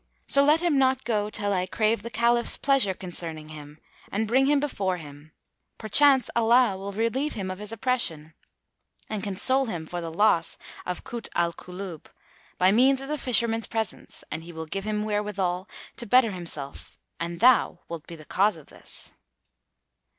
So let him not go, till I crave the Caliph's pleasure concerning him and bring him before him; perchance Allah will relieve him of his oppression and console him for the loss of Kut al Kulub, by means of the Fisherman's presence, and he will give him wherewithal to better himself; and thou wilt be the cause of this."